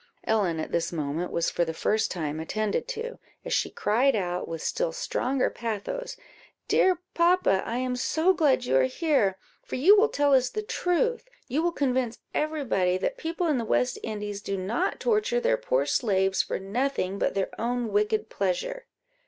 Ellen, at this moment, was, for the first time, attended to, as she cried out, with still stronger pathos "Dear papa, I am so glad you are here! for you will tell us the truth you will convince every body, that people in the West Indies do not torture their poor slaves for nothing but their own wicked pleasure."